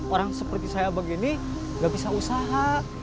orang seperti saya begini gak bisa usaha